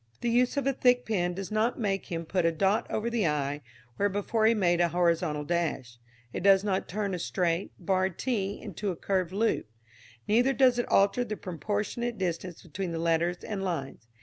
The use of a thick pen does not make him put a dot over the i where before he made an horizontal dash; it does not turn a straight, barred t into a curved loop, neither does it alter the proportionate distance between the letters and lines.